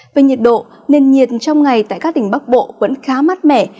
về nhiệt độ nền nhiệt trong ngày tại các tỉnh bắc bộ vẫn khá mát mẻ